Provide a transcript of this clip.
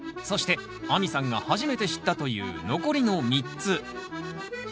そして亜美さんが初めて知ったという残りの３つ。